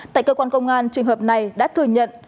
tại cơ quan công an trường hợp này đã thừa nhận